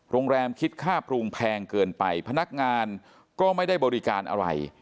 คิดค่าปรุงแพงเกินไปพนักงานก็ไม่ได้บริการอะไร